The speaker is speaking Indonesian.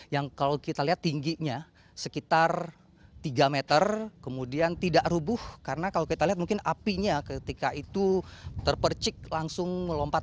yang kalau kita lihat tingginya sekitar tiga meter kemudian tidak rubuh karena kalau kita lihat mungkin apinya ketika itu terpercik langsung melompat